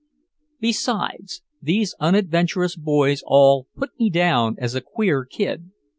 Besides, these unadventurous boys all put me down as "a queer kid."